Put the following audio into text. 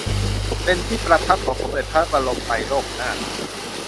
เป็นที่ประทับของสมเด็จพระบรมไตรโลกนาถ